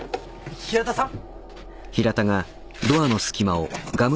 平田さん？